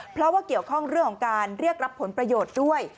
เพราะว่าเกี่ยวข้องเรื่องของการเรียกรับผลประโยชน์ด้วย